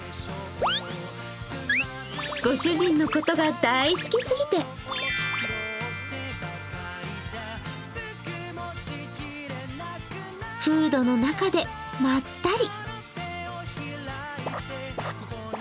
ご主人のことが大好きすぎてフードの中でまったり。